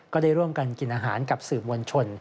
ก็ได้ร่วมกันกินอาหารกับสื่อมวลชน